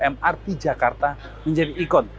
mrt jakarta menjadi ikon